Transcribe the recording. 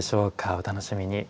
お楽しみに。